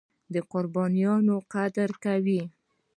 د قربانیو قدر کوي.